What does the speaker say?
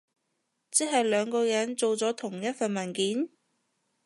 即係兩個人做咗同一份文件？